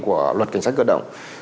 của luật cảnh sát cơ động